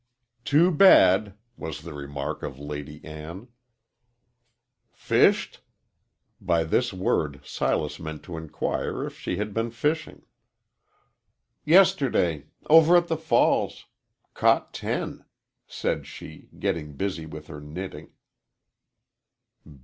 "Too bad!" was the remark of Lady Ann. "Fisht?" By this word Silas meant to inquire if she had been fishing. "Yesterday. Over at the falls caught ten," said she, getting busy with her knitting.